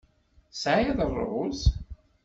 Tesɛiḍ ṛṛuz?